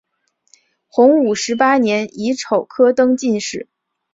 洪武十八年乙丑科登进士。